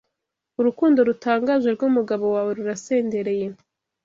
urukundo rutangaje rwumugabo wawe rurasendereye